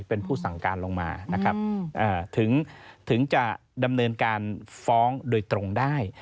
เป็นผู้สั่งการลงมานะครับถึงจะดำเนินการฟ้องโดยตรงได้